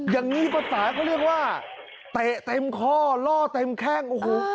อย่างนี้ภาษาเขาเรียกว่าเตะเต็มข้อล่อเต็มแข้งโอ้โห